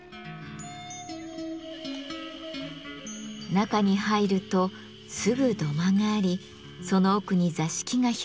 中に入るとすぐ土間がありその奥に座敷が広がっています。